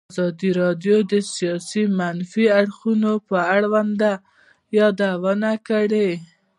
ازادي راډیو د سیاست د منفي اړخونو یادونه کړې.